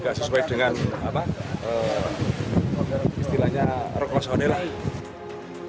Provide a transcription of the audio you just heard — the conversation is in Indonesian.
tidak sesuai dengan istilahnya rokosone